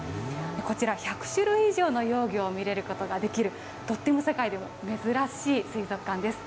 こちら、１００種類以上の幼魚を見れることができる、とっても世界でも珍しい水族館です。